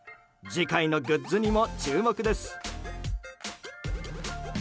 次回のグッズにも注目です。